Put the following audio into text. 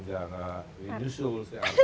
zara widusul si arka